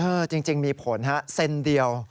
เออจริงมีผลครับเซนติเมตรเดียว